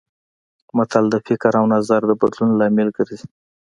متل د فکر او نظر د بدلون لامل ګرځي